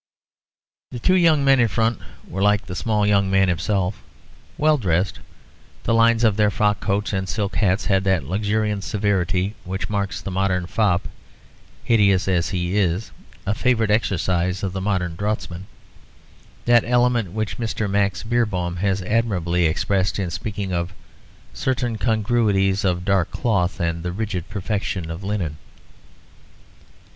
The two young men in front were like the small young man himself, well dressed. The lines of their frock coats and silk hats had that luxuriant severity which makes the modern fop, hideous as he is, a favourite exercise of the modern draughtsman; that element which Mr. Max Beerbohm has admirably expressed in speaking of "certain congruities of dark cloth and the rigid perfection of linen."